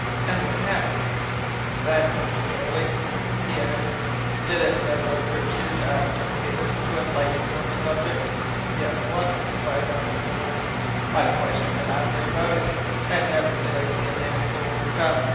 '" "And what next?" "Then, Mr. Jeorling, he added: 'Did it never occur to you to ask Dirk Peters to enlighten you on the subject?' 'Yes, once,' replied Martin Holt, 'I questioned the half breed about it, and never did I see a man so overcome.